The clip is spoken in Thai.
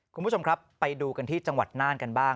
คุณผู้ชมครับไปดูกันที่จังหวัดน่านกันบ้าง